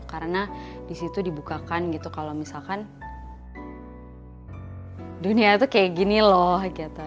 karena disitu dibukakan gitu kalau misalkan dunia tuh kayak gini loh gitu